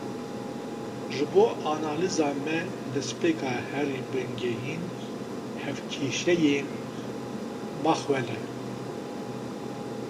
Ji bo analîza me destpêka herî bingehîn hevkêşeyên Maxwell e.